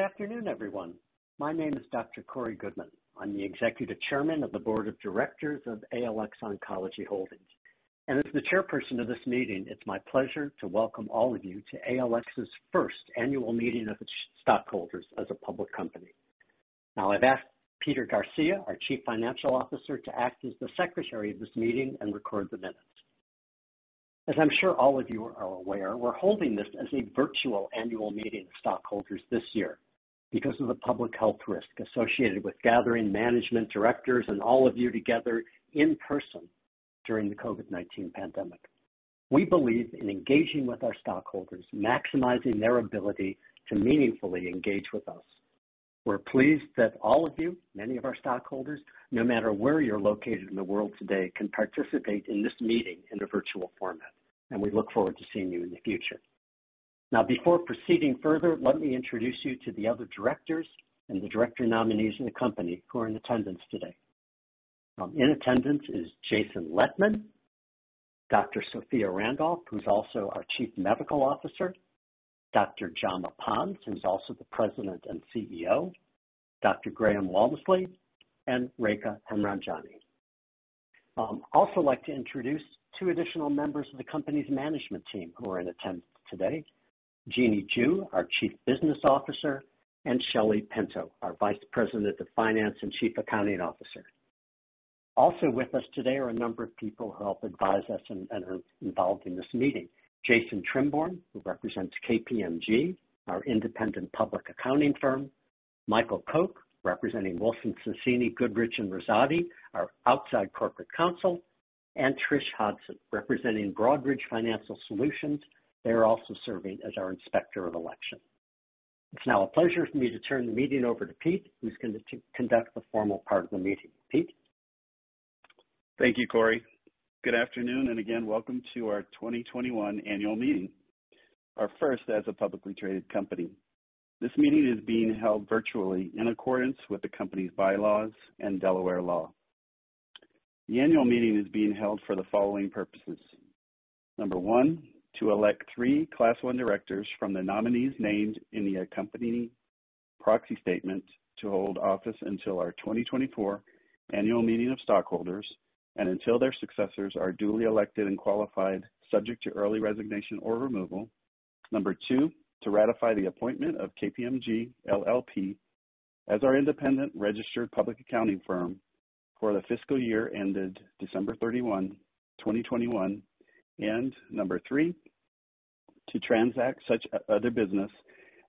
Good afternoon, everyone. My name is Dr. Corey Goodman. I'm the Executive Chairman of the Board of Directors of ALX Oncology Holdings. As the chairperson of this meeting, it's my pleasure to welcome all of you to ALX's first annual meeting of stockholders as a public company. Now, I've asked Peter Garcia, our Chief Financial Officer, to act as the secretary of this meeting and record the minutes. As I'm sure all of you are aware, we're holding this as a virtual annual meeting of stockholders this year because of the public health risk associated with gathering management directors and all of you together in person during the COVID-19 pandemic. We believe in engaging with our stockholders, maximizing their ability to meaningfully engage with us. We are pleased that all of you, any of our stockholders, no matter where you're located in the world today, can participate in this meeting in a virtual format. We look forward to seeing you in the future. Now, before proceeding further, let me introduce you to the other directors and the director nominees of the company who are in attendance today. In attendance is Jason Lettmann, Dr. Sophia Randolph, who's also our Chief Medical Officer, Dr. Jaume Pons, who's also the President and CEO, Dr. Graham Walmsley, and Rekha Hemrajani. I'd also like to introduce two additional members of the company's management team who are in attendance today, Jeanne Jew, our Chief Business Officer, and Shelly Pinto, our Vice President of Finance and Chief Accounting Officer. Also with us today are a number of people who help advise us and are involved in this meeting. Jason Trimborn, who represents KPMG, our independent public accounting firm, Michael Coke, representing Wilson Sonsini Goodrich & Rosati, our outside corporate counsel, and Trish Hudson, representing Broadridge Financial Solutions. They are also serving as our Inspector of Election. It's now a pleasure for me to turn the meeting over to Pete, who's going to conduct the formal part of the meeting. Pete? Thank you, Corey. Good afternoon, again, welcome to our 2021 annual meeting, our first as a publicly traded company. This meeting is being held virtually in accordance with the company's bylaws and Delaware law. The annual meeting is being held for the following purposes. Number one, to elect three Class One directors from the nominees named in the accompanying proxy statement to hold office until our 2024 annual meeting of stockholders and until their successors are duly elected and qualified, subject to early resignation or removal. Number two, to ratify the appointment of KPMG LLP as our independent registered public accounting firm for the fiscal year ended December 31, 2021. Number three, to transact such other business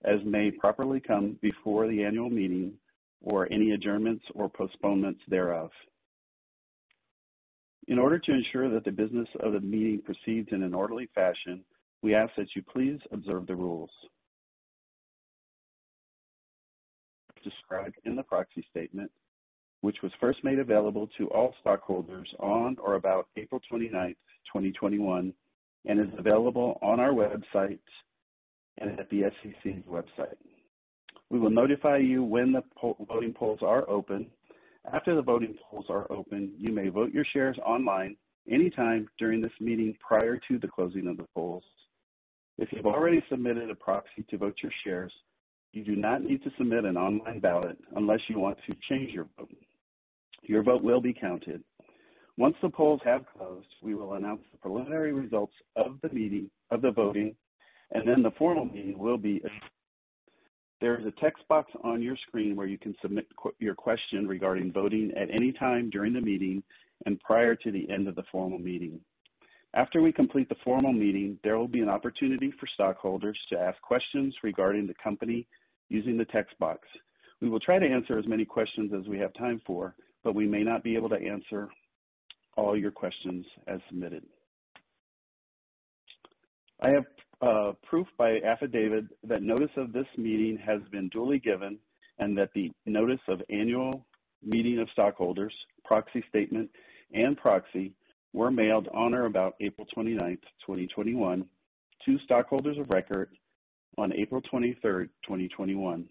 as may properly come before the annual meeting or any adjournments or postponements thereof. In order to ensure that the business of the meeting proceeds in an orderly fashion, we ask that you please observe the rules. As described in the proxy statement, which was first made available to all stockholders on or about April 29th, 2021, and is available on our website and at the SEC's website. We will notify you when the voting polls are open. After the voting polls are open, you may vote your shares online anytime during this meeting prior to the closing of the polls. If you've already submitted a proxy to vote your shares, you do not need to submit an online ballot unless you want to change your vote. Your vote will be counted. Once the polls have closed, we will announce the preliminary results of the voting and then the formal meeting will be. There is a text box on your screen where you can submit your question regarding voting at any time during the meeting and prior to the end of the formal meeting. After we complete the formal meeting, there will be an opportunity for stockholders to ask questions regarding the company using the text box. We will try to answer as many questions as we have time for, but we may not be able to answer all your questions as submitted. I have proof by affidavit that notice of this meeting has been duly given and that the notice of annual meeting of stockholders, proxy statement, and proxy were mailed on or about April 29th, 2021 to stockholders of record on April 23rd, 2021,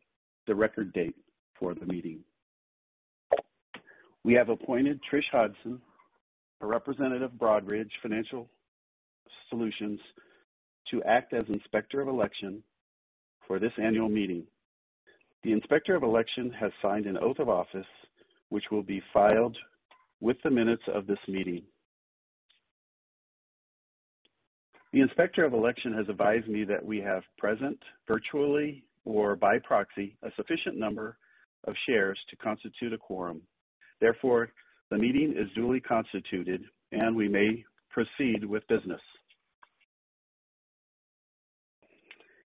the record date for the meeting. We have appointed Trish Hudson, a representative of Broadridge Financial Solutions, to act as Inspector of Election for this annual meeting. The Inspector of Election has signed an oath of office, which will be filed with the minutes of this meeting. The Inspector of Election has advised me that we have present, virtually or by proxy, a sufficient number of shares to constitute a quorum. Therefore, the meeting is duly constituted and we may proceed with business.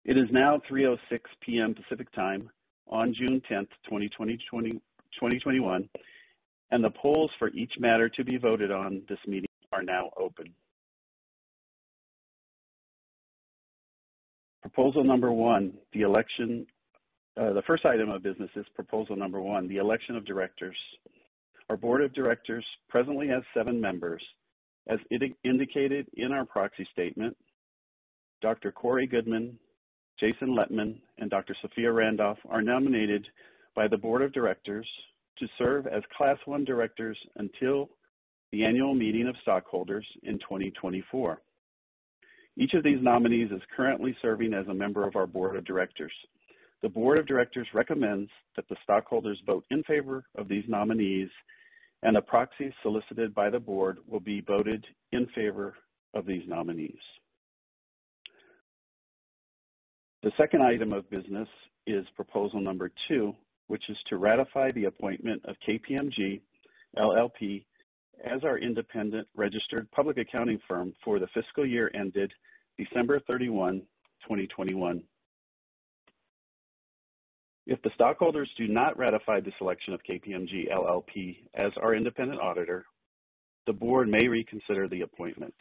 It is now 3:06 P.M. Pacific Time on June 10th, 2021, and the polls for each matter to be voted on in this meeting are now open. The first item of business is proposal number one, the election of directors. Our board of directors presently has seven members. As indicated in our proxy statement, Dr. Corey Goodman, Jason Lettmann, and Dr. Sophia Randolph are nominated by the board of directors to serve as Class One directors until the annual meeting of stockholders in 2024. Each of these nominees is currently serving as a member of our board of directors. The board of directors recommends that the stockholders vote in favor of these nominees, and the proxies solicited by the board will be voted in favor of these nominees. The second item of business is proposal number two, which is to ratify the appointment of KPMG LLP as our independent registered public accounting firm for the fiscal year ended December 31, 2021. If the stockholders do not ratify the selection of KPMG LLP as our independent auditor, the board may reconsider the appointment.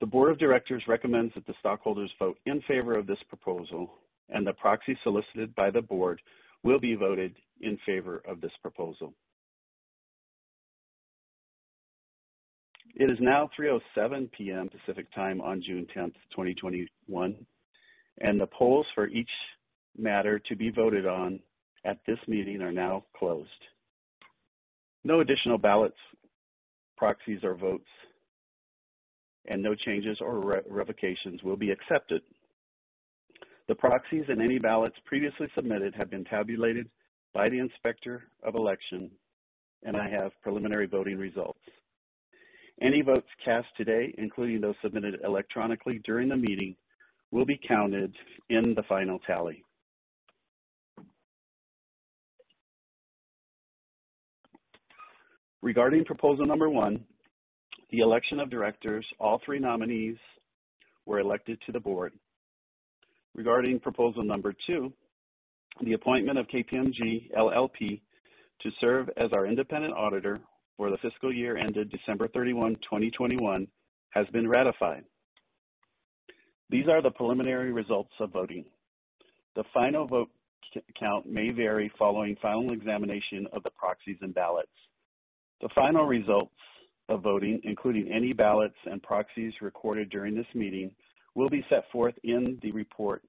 The board of directors recommends that the stockholders vote in favor of this proposal, and the proxies solicited by the board will be voted in favor of this proposal. It is now 3:07 P.M. Pacific Time on June 10th, 2021, and the polls for each matter to be voted on at this meeting are now closed. No additional ballots, proxies, or votes, and no changes or revocations will be accepted. The proxies and any ballots previously submitted have been tabulated by the Inspector of Election, and I have preliminary voting results. Any votes cast today, including those submitted electronically during the meeting, will be counted in the final tally. Regarding proposal number one, the election of directors, all three nominees were elected to the board. Regarding proposal number two, the appointment of KPMG LLP to serve as our independent auditor for the fiscal year ended December 31, 2021, has been ratified. These are the preliminary results of voting. The final vote count may vary following final examination of the proxies and ballots. The final results of voting, including any ballots and proxies recorded during this meeting, will be set forth in the report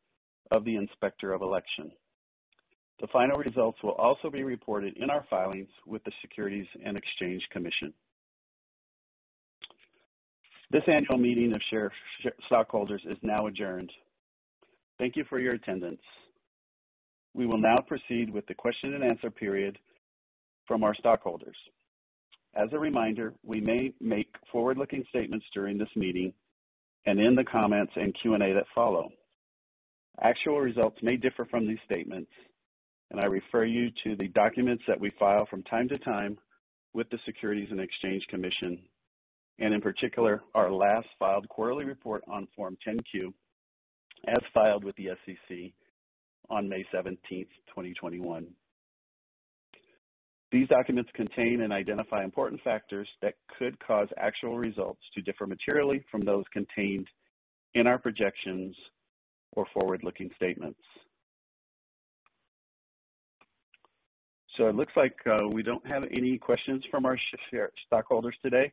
of the Inspector of Election. The final results will also be reported in our filings with the Securities and Exchange Commission. This annual meeting of stockholders is now adjourned. Thank you for your attendance. We will now proceed with the question-and-answer period from our stockholders. As a reminder, we may make forward-looking statements during this meeting and in the comments and Q&A that follow. Actual results may differ from these statements. I refer you to the documents that we file from time to time with the Securities and Exchange Commission, and in particular, our last filed quarterly report on Form 10-Q, as filed with the SEC on May 17th, 2021. These documents contain and identify important factors that could cause actual results to differ materially from those contained in our projections or forward-looking statements. It looks like we don't have any questions from our stockholders today.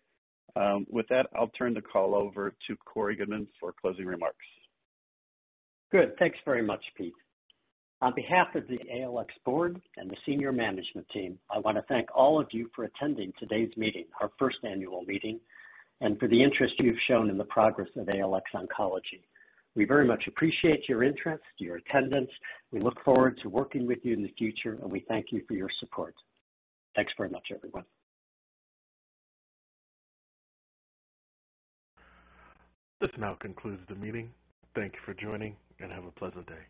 With that, I'll turn the call over to Corey Goodman for closing remarks. Good. Thanks very much, Pete. On behalf of the ALX board and the senior management team, I want to thank all of you for attending today's meeting, our first annual meeting, and for the interest you've shown in the progress of ALX Oncology. We very much appreciate your interest, your attendance. We look forward to working with you in the future, and we thank you for your support. Thanks very much, everyone. This now concludes the meeting. Thank you for joining, and have a pleasant day.